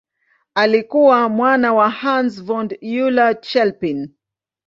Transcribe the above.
Alikuwa mwana wa Hans von Euler-Chelpin.